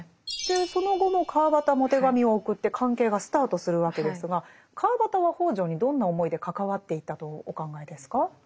その後も川端も手紙を送って関係がスタートするわけですが川端は北條にどんな思いで関わっていったとお考えですか？